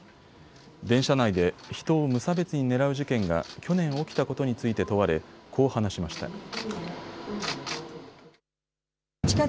電車内で人を無差別に狙う事件が去年、起きたことについて問われこう話しました。